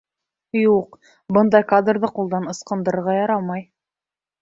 Юҡ, бындай кадрҙы ҡулдан ыскындырырға ярамай.